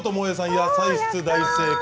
野菜室、大正解。